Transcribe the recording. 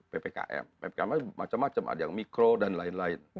ppkm ppkm macam macam ada yang mikro dan lain lain